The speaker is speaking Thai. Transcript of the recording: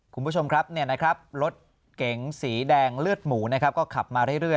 คุณผู้ชมครับรถเก๋งสีแดงเลือดหมูนะครับก็ขับมาเรื่อย